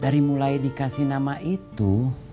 dari mulai dikasih nama itu